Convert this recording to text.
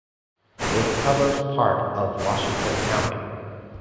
It covers part of Washington County.